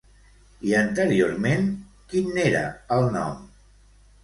I anteriorment, quin n'era el nom?